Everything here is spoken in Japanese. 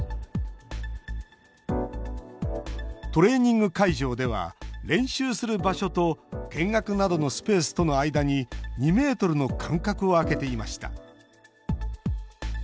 トレーニング会場では練習する場所と見学などのスペースとの間に２ｍの間隔を空けていました。